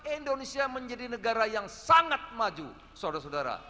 dua ribu empat puluh lima indonesia menjadi negara yang sangat maju saudara saudara